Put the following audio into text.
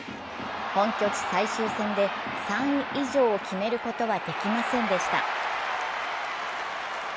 本拠地最終戦で３位以上を決めることはできませんでした。